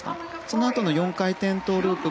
そのあとの４回転トウループ。